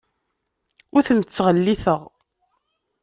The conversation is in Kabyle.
Ur ten-ttɣelliteɣ.